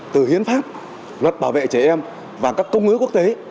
từ hiến pháp luật bảo vệ trẻ em và các công ước quốc tế